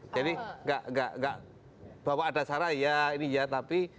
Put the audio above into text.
jadi bahwa ada saraya ini ya tapi